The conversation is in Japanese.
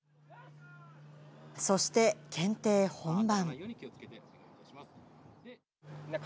そして検定本番。